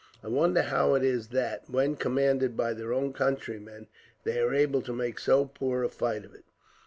I wonder how it is that, when commanded by their own countrymen, they are able to make so poor a fight of it.